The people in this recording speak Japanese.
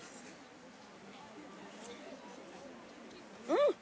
うん！